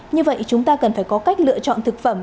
như vậy chúng ta cần phải có cách lựa chọn thực phẩm